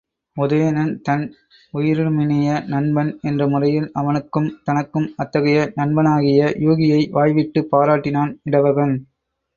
உதயணன் தன் உயிரினுமினிய நண்பன் என்ற முறையில், அவனுக்கும் தனக்கும் அத்தகைய நண்பனேயாகிய யூகியை வாய்விட்டுப் பாராட்டினான் இடவகன்.